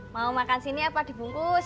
mau makan sini apa dibungkus